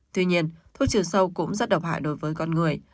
tuy nhiên thuốc trừ sâu cũng rất độc hại đối với con người